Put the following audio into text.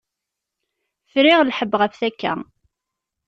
Friɣ lḥebb ɣef takka.